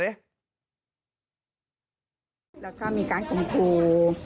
แล้วก็มีการข่มครู